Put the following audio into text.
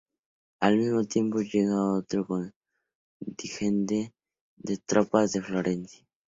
Al mismo tiempo llegaba otro contingente de tropas de Florencia.